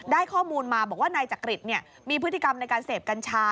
ข้อมูลมาบอกว่านายจักริตมีพฤติกรรมในการเสพกัญชา